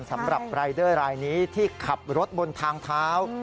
สำหรับรายเดอร์รายนี้ที่ขับรถบนทางเท้า